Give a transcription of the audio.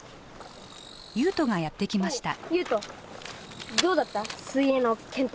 ユウトがやって来ました。